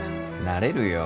なれるよ。